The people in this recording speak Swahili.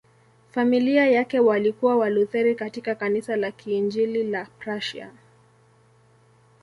Familia yake walikuwa Walutheri katika Kanisa la Kiinjili la Prussia.